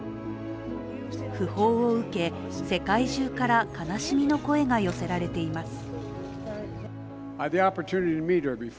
訃報を受け世界中から悲しみの声が寄せられています。